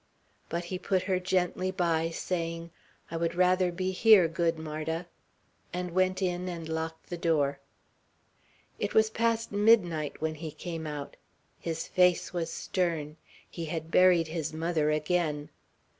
But he put her gently by, saying, "I would rather be here, good Marda;" and went in and locked the door. It was past midnight when he came out. His face was stern. He had buried his mother again.